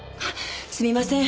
すみません。